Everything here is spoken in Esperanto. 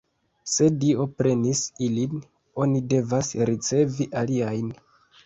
Se Dio prenis ilin, oni devas ricevi aliajn.